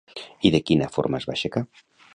I de quina forma es va aixecar?